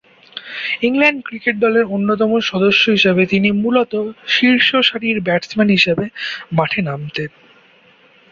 England cricket দলের অন্যতম সদস্য হিসেবে তিনি মূলতঃ শীর্ষসারির ব্যাটসম্যান হিসেবে মাঠে নামতেন।